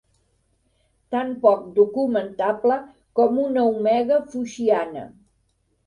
Tan poc documentable com una omega foixiana.